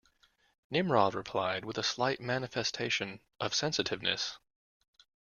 Nimrod replied, with a slight manifestation of sensitiveness.